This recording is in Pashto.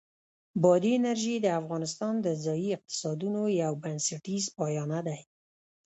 بادي انرژي د افغانستان د ځایي اقتصادونو یو بنسټیز پایایه دی.